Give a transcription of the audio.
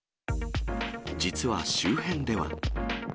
実は周辺では。